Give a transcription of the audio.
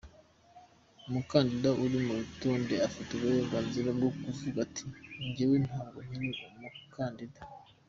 Umukandida uri ku rutonde afite uburenganzira bwo kuvuga ati jyewe ntabwo nkiri umukandida.